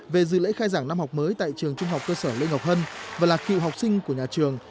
về dự lễ khai giảng năm học mới tại trường trung học cơ sở lê ngọc hân và là cựu học sinh của nhà trường